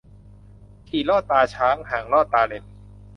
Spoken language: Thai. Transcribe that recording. ถี่ลอดตาช้าง ห่างลอดตาเล็น